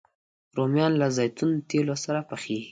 رومیان له زیتون تېلو سره پخېږي